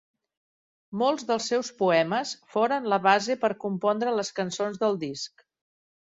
Molts dels seus poemes foren la base per compondre les cançons del disc.